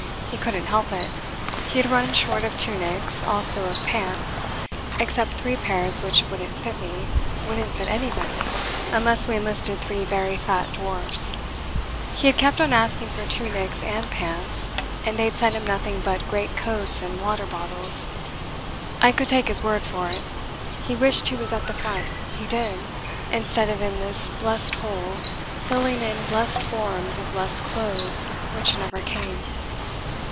He couldn't help it: he had run short of tunics, also of "pants" except three pairs which wouldn't fit me, wouldn't fit anybody, unless we enlisted three very fat dwarfs: he had kept on asking for tunics and pants, and they'd sent him nothing but great coats and water bottles: I could take his word for it, he wished he was at the Front, he did, instead of in this blessed hole filling in blessed forms for blessed clothes which never came.